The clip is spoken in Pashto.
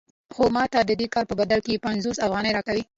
خو ماته د کار په بدل کې پنځوس افغانۍ راکوي